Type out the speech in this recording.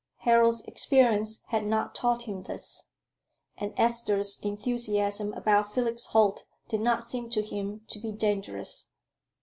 Harold's experience had not taught him this; and Esther's enthusiasm about Felix Holt did not seem to him to be dangerous.